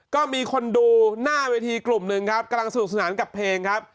ก็มีคนดูหน้าเวทีกลุ่มหนึ่งครับกำลังสนุกสนานกับเพลงครับ